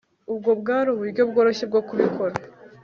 Ubwo bwari uburyo bworoshye bwo kubikora